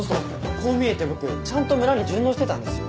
こう見えて僕ちゃんと村に順応してたんですよ。